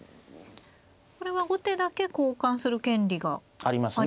これは後手だけ交換する権利がありますね。